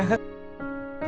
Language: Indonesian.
terima kasih peko